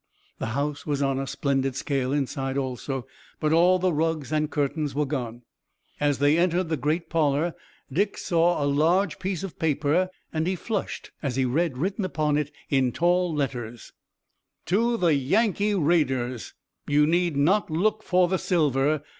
The house was on a splendid scale inside also, but all the rugs and curtains were gone. As they entered the great parlor Dick saw a large piece of paper, and he flushed as he read written upon it in tall letters: TO THE YANKEE RAIDERS: YOU NEED NOT LOOK FOR THE SILVER.